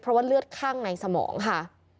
เพราะว่าเลือดข้างในสมองค่ะ